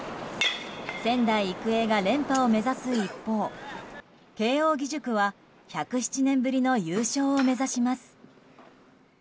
仙台育英が連覇を目指す一方慶應義塾は１０７年ぶりの優勝を目指します。